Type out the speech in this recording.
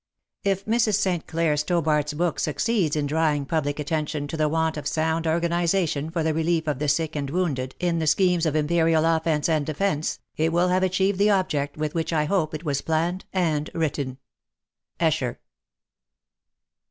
If Mrs. St. Clair Stobart's book succeeds in drawing public attention to the want of sound organization for the relief of the sick and wounded in the schemes of imperial offence and defence, it will have achieved the object with which I hope it was planned and written. ESHER.